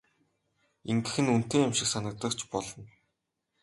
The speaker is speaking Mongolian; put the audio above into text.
Ингэх нь үнэтэй юм шиг санагдаж болно.